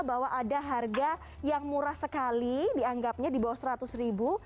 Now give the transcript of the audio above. bahwa ada harga yang murah sekali dianggapnya di bawah seratus ribu